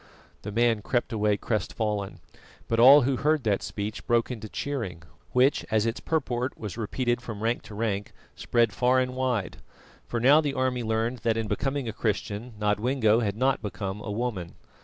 The man crept away crestfallen; but all who heard that speech broke into cheering, which, as its purport was repeated from rank to rank, spread far and wide; for now the army learned that in becoming a Christian, Nodwengo had not become a woman.